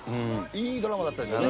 いいドラマだったんですよね。